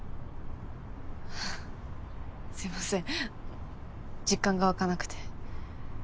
あすいません実感が湧かなくて。